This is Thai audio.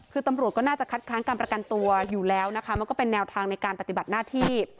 คือตำรวจก็น่าจะคัดค้างการประกันตัวอยู่แล้วนะคะมันก็เป็นแนวทางในการปฏิบัติหน้าที่